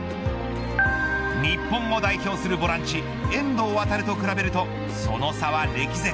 日本を代表するボランチ遠藤航と比べるとその差は歴然。